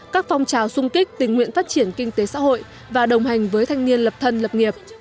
các phong trào xung kích tình nguyện phát triển kinh tế xã hội và đồng hành với thanh niên lập thân lập nghiệp